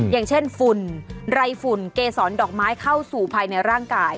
อย่างเช่นฝุ่นไรฝุ่นเกษรดอกไม้เข้าสู่ภายในร่างกาย